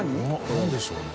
何でしょうね？